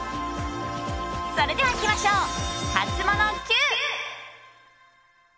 それでは、いきましょう。